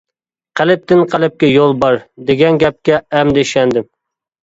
«قەلبتىن قەلبكە يول بار» دېگەن گەپكە ئەمدى ئىشەندىم.